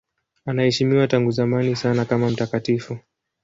Anaheshimiwa tangu zamani sana kama mtakatifu.